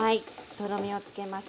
とろみをつけますね。